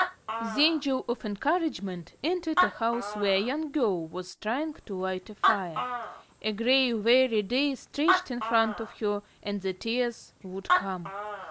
The Angel of Encouragement entered a house where a young girl was trying to light a fire. A gray, weary day stretched in front of her, and the tears would come.